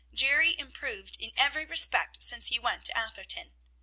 Jerry had improved in every respect since he went to Atherton.